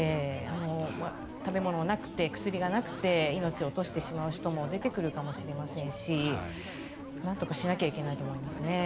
食べ物がなくて薬がなくて命を落としてしまう人も出てくるかもしれませんしなんとかしなきゃいけないと思いますね。